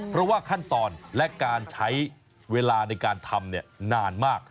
เพราะว่าขั้นตอนและการใช้เวลาในการทำนานมาก